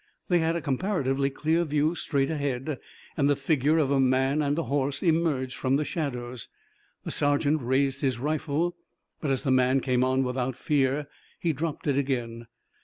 They had a comparatively clear view straight ahead, and the figure of a man and a horse emerged from the shadows. The sergeant raised his rifle, but, as the man came on without fear, he dropped it again.